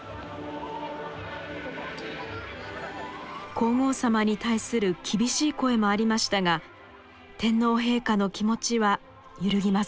皇后さまに対する厳しい声もありましたが天皇陛下の気持ちは揺るぎませんでした。